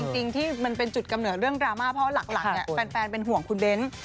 จริงที่มันเป็นจุดกำเนิดเรื่องดราม่าเพราะหลักเนี่ยแฟนเป็นห่วงคุณเบ้น